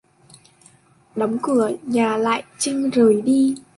Đóng cửa nhà lại Trinh rời đi